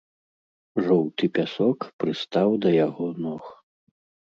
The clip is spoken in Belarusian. Жоўты пясок прыстаў да яго ног.